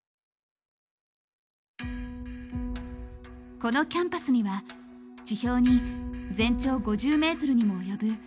このキャンパスには地表に全長５０ｍにも及ぶ断層が現れました。